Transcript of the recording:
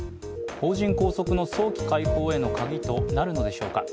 邦人拘束の早期解放へのカギとなるのでしょうか。